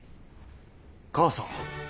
母さん！？